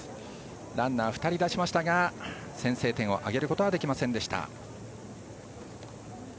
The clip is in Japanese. ランナー、２人出しましたが先制点を挙げることはできませんでした。